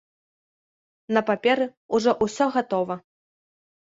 На паперы ўсё ўжо гатова.